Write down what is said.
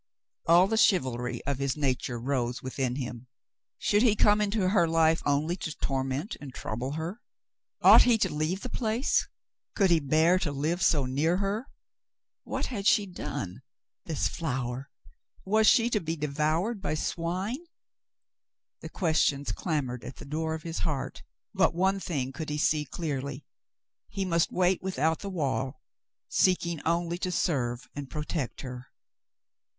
All the chivalry of his nature rose within him. Should he come into her life only to torment and trouble her ? Ought he to leave the place ? Could he bear to live so near her ? What had. she done — this flower ? Was she to be devoured by swine ? The questions clamored at the door of his heart. But one thing could he see clearly. He must wait without the wall, seeking only to serve and protect her.